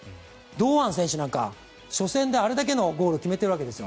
堂安選手なんかは初戦であれだけのゴールを決めているわけですよ。